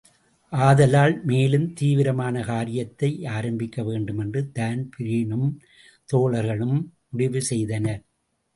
ஆதலால் மேலும் தீவிரமான காரியத்தை ஆரம்பிக்க வேண்டும் என்று தான்பிரினும் தோழர்களும் முடிவு செய்தனர்.